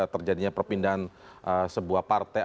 terjadinya perpindahan sebuah partai